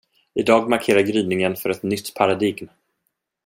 Idag markerar gryningen för ett nytt paradigm.